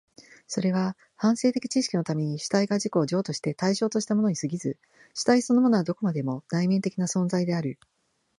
それは反省的知識のために主体が自己を譲渡して対象としたものに過ぎず、主体そのものはどこまでも内面的な存在である。